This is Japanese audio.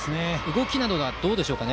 動きなどはどうでしょうか。